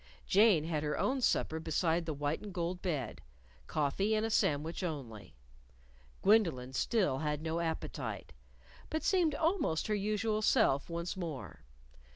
Jane had her own supper beside the white and gold bed coffee and a sandwich only. Gwendolyn still had no appetite, but seemed almost her usual self once more.